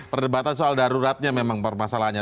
perdebatan soal daruratnya memang permasalahannya